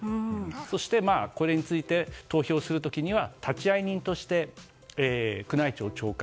そして、これについて投票する時には立会人として宮内庁長官。